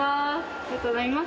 ありがとうございます。